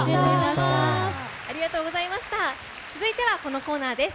続いてはこのコーナーです。